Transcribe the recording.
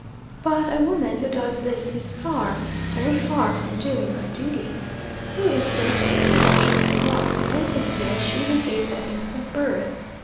But a woman who does this is far, very far, from doing her duty. Who is so fit to watch over the wants of infancy as she who gave that infant birth?